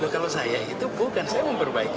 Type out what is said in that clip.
kalau saya itu bukan saya memperbaiki